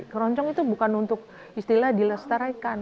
keroncong itu bukan untuk istilah dilestarikan